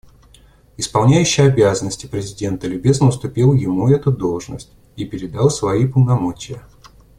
Исполняющий обязанности президента любезно уступил ему эту должность и передал свои полномочия.